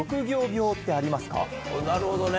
なるほどね。